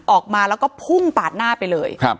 ออกมาแล้วก็พุ่งปาดหน้าไปเลย